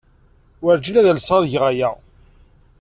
Wurǧin ad alseɣ ad geɣ aya!